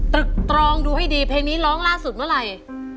ตึกตรองดูให้ดีเพลงนี้ร้องล่าสุดเมื่อไหร่